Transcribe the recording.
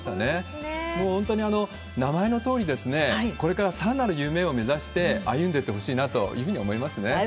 もう本当に、名前のとおり、これから更なる夢を目指して歩んでいってほしいなと思いますね。